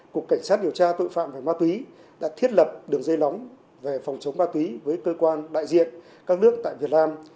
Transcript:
cục cảnh sát điều tra tội phạm về ma túy đã thiết lập đường dây nóng về phòng chống ma túy với cơ quan đại diện các nước tại việt nam